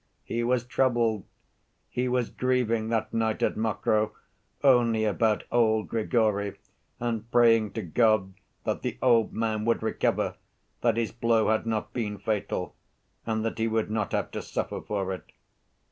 He was troubled, he was grieving that night at Mokroe only about old Grigory and praying to God that the old man would recover, that his blow had not been fatal, and that he would not have to suffer for it.